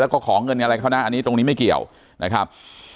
แล้วก็ขอเงินอะไรเขานะอันนี้ตรงนี้ไม่เกี่ยวนะครับ